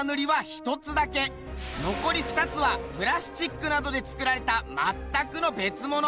残り２つはプラスチックなどで作られた全くの別物。